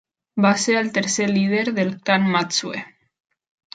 Va ser el tercer líder del clan Matsue.